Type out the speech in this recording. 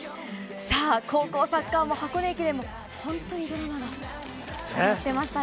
さあ、高校サッカーも箱根駅伝も、本当にドラマが続いてましたね。